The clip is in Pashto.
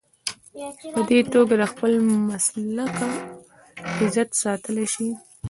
په دې توګه د خپل مسلک عزت ساتلی شي.